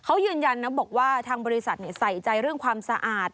เขายืนยันนะบอกว่าทางบริษัทใส่ใจเรื่องความสะอาด